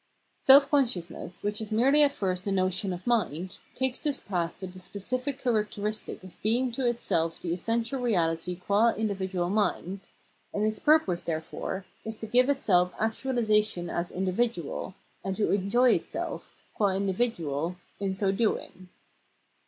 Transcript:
•>,,] Self consciousness, which is merely at first the notion of mind, takes this path with the specific characteristic of being to itself the essential reahty qua individual mind, and its purpose, therefore, is to give itself actualisation as individual, and to enjoy itself, qua individual, in so doing.